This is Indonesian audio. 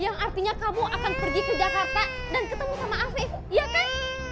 yang artinya kamu akan pergi ke jakarta dan ketemu sama afif ya kan